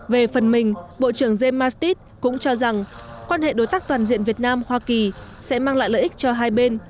về phần mình bộ trưởng james mastit cũng cho rằng quan hệ đối tác toàn diện việt nam hoa kỳ sẽ mang lại lợi ích cho hai bên